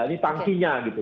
ini tangkinya gitu